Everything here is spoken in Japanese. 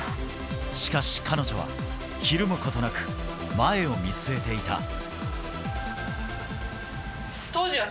しかし彼女は、ひるむことなく前を見据えていた。